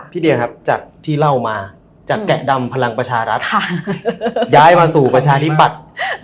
เดียครับจากที่เล่ามาจากแกะดำพลังประชารัฐย้ายมาสู่ประชาธิปัตย์